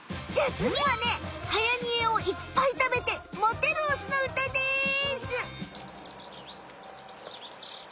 じゃあつぎはねはやにえをいっぱい食べてモテるオスのうたです。